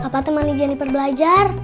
papa temanin jennifer belajar